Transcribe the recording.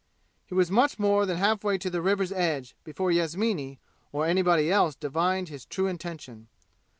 He was much more than half way to the river's edge before Yasmini or anybody else divined his true intention.